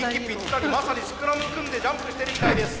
まさにスクラム組んでジャンプしてるみたいです。